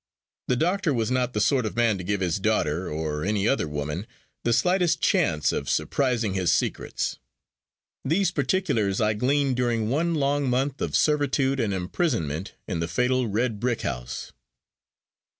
The doctor was not the sort of man to give his daughter, or any other woman, the slightest chance of surprising his secrets. These particulars I gleaned during one long month of servitude and imprisonment in the fatal red brick house.